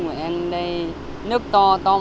hệ thống cao